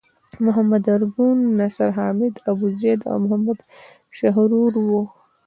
محمد ارګون، نصر حامد ابوزید او محمد شحرور وو.